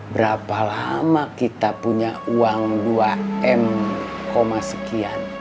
berapa lama kita punya uang dua m sekian